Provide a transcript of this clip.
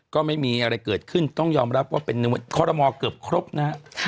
ก็ไม่มีอะไรเกิดขึ้นต้องยอมรับว่าเป็นคอรมอลเกือบครบนะฮะ